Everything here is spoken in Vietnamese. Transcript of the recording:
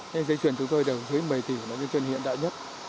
cái dây chuyền chúng tôi đều dưới một mươi tỷ là dây chuyền hiện đại nhất